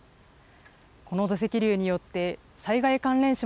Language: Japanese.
この土石流によって、災害関連死